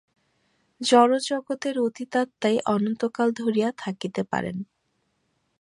জড় জগতের অতীত আত্মাই অনন্তকাল ধরিয়া থাকিতে পারেন।